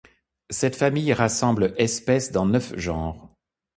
Cette famille rassemble espèces dans neuf genres.